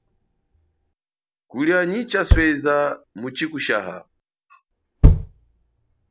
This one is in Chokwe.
Kulia nyi chasweza, muchikushaha.